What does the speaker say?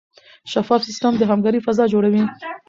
شفاف سیستم د همکارۍ فضا جوړوي.